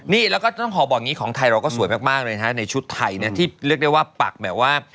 นี่แล้วก็ต้องขอบอกอย่างนี้ของไทยเราก็สวยมากเลยนะในชุดไทยนะที่เรียกได้ว่าปักแบบว่า